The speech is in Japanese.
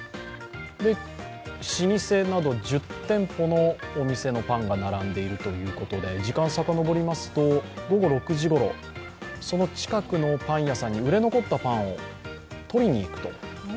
老舗など１０店舗のお店のパンが並んでいるということで時間、遡りますと午後６時頃、その近くのパン屋さんに売れ残ったパンを取りにいくと。